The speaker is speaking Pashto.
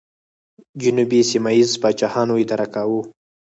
جنوب یې سیمه ییزو پاچاهانو اداره کاوه